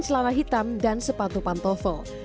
celana hitam dan sepatu pantofo